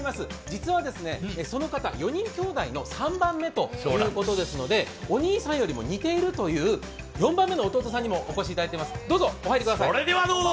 実はその方、４人きょうだいの３番目ということですので、お兄さんよりも似ているという４番目の弟さんにもお越しいただいています。